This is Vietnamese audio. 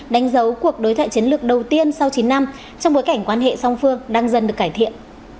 đánh dấu cuộc đối thoại chiến lược đầu tiên sau chín năm trong bối cảnh quan hệ song phương đang dần được cải thiện